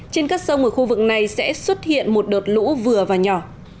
trên các sông ở khu vực này sẽ xuất hiện một đợt lũ vừa và nhỏ